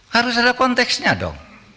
harus ada konteksnya dong